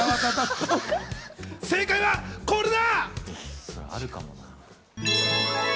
正解はこれだ！